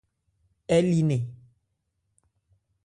Ɛ li nnɛn ?